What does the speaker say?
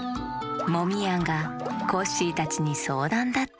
モミヤンがコッシーたちにそうだんだって！